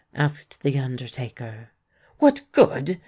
asked the undertaker. "What good!"